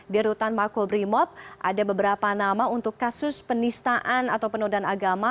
di rutan mako brimob ada beberapa nama untuk kasus penistaan atau penurdan agama